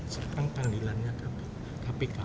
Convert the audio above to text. serta kan lelahnya kpk